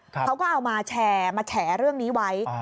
เขาก็เอามาแชร์มาแฉเรื่องนี้ไว้